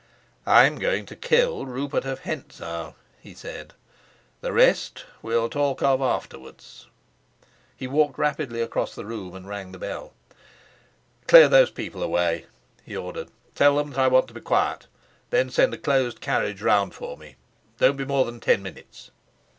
"I'm going to kill Rupert of Hentzau," he said. "The rest we'll talk of afterwards." He walked rapidly across the room and rang the bell. "Clear those people away," he ordered. "Tell them that I want to be quiet. Then send a closed carriage round for me. Don't be more than ten minutes."